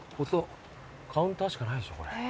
カウンターしかないでしょ。